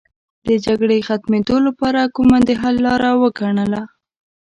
د جګړې ختمېدو لپاره کومه د حل لاره وګڼله.